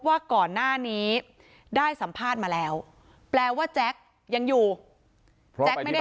ว่าก่อนหน้านี้ได้สัมภาษณ์มาแล้วแปลว่าแจ๊คยังอยู่แจ๊กไม่ได้